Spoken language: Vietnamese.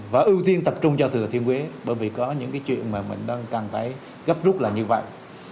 và ưu tiên tập trung cho thừa thiên huế bởi vì có những cái chuyện mà mình đang cần phải gấp rút là như vậy